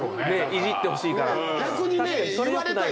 いじってほしいから。